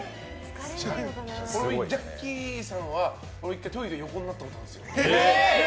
ジャッキーさんは１回、トイレで横になったことあるんです。